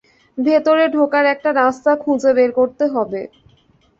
ভেতরে ঢোকার একটা রাস্তা খুঁজে বের করতে হবে।